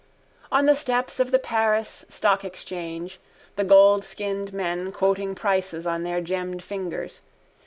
On the steps of the Paris stock exchange the goldskinned men quoting prices on their gemmed fingers.